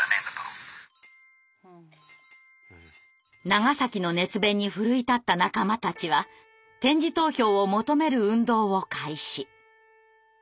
長の熱弁に奮い立った仲間たちは点字投票を求める運動を開始。